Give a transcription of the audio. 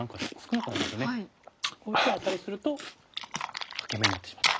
こういう手をアタリすると欠け眼になってしまったと。